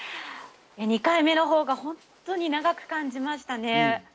２回目のほうが本当に長く感じましたね。